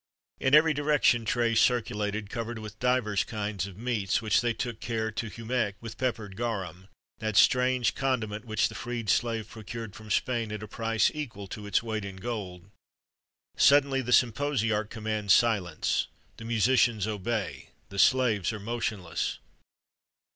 [XXXV 71] In every direction trays circulated, covered with divers kinds of meats,[XXXV 72] which they took care to humect with peppered garum,[XXXV 73] that strange condiment, which the freed slave procured from Spain at a price equal to its weight in gold. Suddenly the symposiarch commands silence: the musicians obey the slaves are motionless.